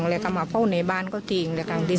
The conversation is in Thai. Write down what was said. กำลังไปพ่ออยู่ที่บ้านที่องค์สะดี